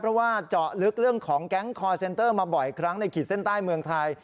เพราะว่าเจาะลึกเรื่องของแก๊งคอร์เซ็นเตอร์มาบ่อยครั้งในขีดเส้นใต้เมืองไทย